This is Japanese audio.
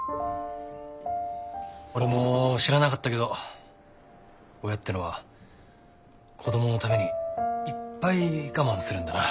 俺も知らなかったけど親ってのは子どものためにいっぱい我慢するんだな。